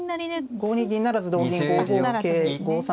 ５二銀不成同銀５五桂５三